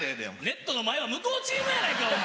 ネットの前は向こうチームやないかお前。